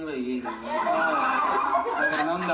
おうだから何だ？